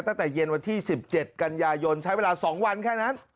ตั้งแต่เย็นวันที่๑๗กันยายนใช้เวลา๒วันแค่นั้น